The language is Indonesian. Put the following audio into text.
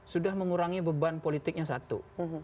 sudah mengurangi beban politiknya satu